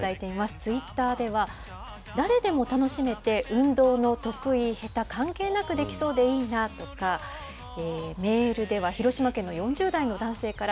ツイッターでは、誰でも楽しめて、運動の得意、下手、関係なくできそうでいいなとか、メールでは、広島県の４０代の男性から。